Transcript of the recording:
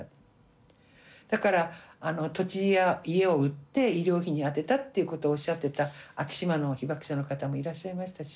だから土地や家を売って医療費に充てたっていうことをおっしゃってた昭島の被爆者の方もいらっしゃいましたし。